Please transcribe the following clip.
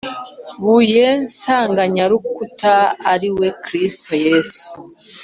buye nsanganyarukuta ari we kristo yesu